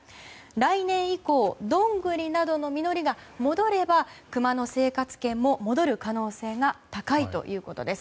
来年以降ドングリなどの実りが戻ればクマの生活圏も戻る可能性が高いということです。